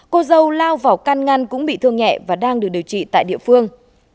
cô dâu lao vào can ngăn cũng bị thương nhẹ và đang được điều trị tại địa phương